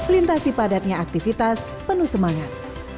lintasi padatnya aktivitas penuh semangat